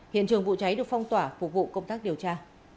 hiện trường vụ cháy được phong tỏa phục vụ công tác điều tra